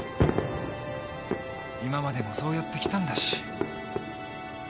今までもそうやってきたんだし。